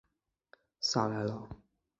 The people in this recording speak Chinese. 萨莱朗。